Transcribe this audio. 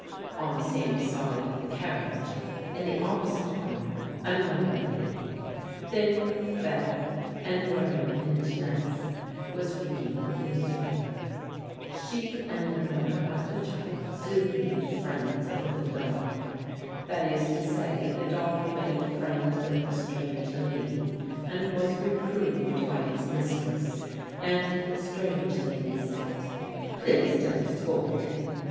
On the same side of the carriage, in the opposite corner, another lady (thin, fair, and wearing a pince nez) was reading the newspaper. She and the mother of the child soon made friends over the dog. That is to say, the dog made friends with the strange lady and was reproved by its mistress, and the strange lady said: "Please don't scold him.